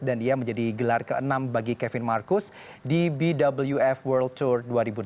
dan dia menjadi gelar ke enam bagi kevin marcus di bwf world tour dua ribu delapan belas